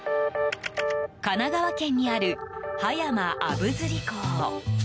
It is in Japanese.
神奈川県にある葉山あぶずり港。